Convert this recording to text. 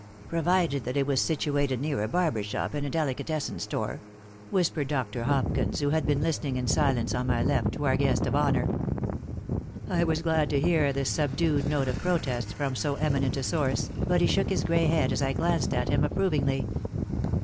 "Provided that it was situated near a barber shop and a delicatessen store," whispered Dr. Hopkins, who had been listening in silence on my left to our guest of honor. I was glad to hear this subdued note of protest from so eminent a source, but he shook his gray head as I glanced at him approvingly.